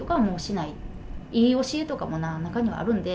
いい教えとかも中にはあるんで。